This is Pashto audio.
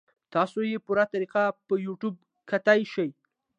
تاسو ئې پوره طريقه پۀ يو ټيوب کتے شئ -